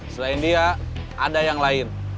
selain dia ada yang lain